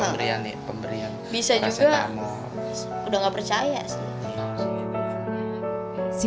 pemberian bisa juga udah nggak percaya sih